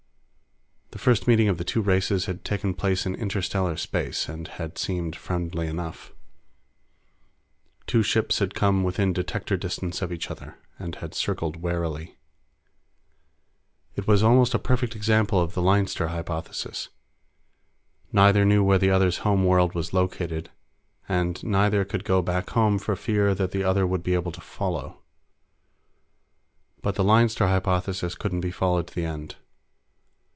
The first meeting of the two races had taken place in interstellar space, and had seemed friendly enough. Two ships had come within detector distance of each other, and had circled warily. It was almost a perfect example of the Leinster Hypothesis; neither knew where the other's home world was located, and neither could go back home for fear that the other would be able to follow. But the Leinster Hypothesis couldn't be followed to the end.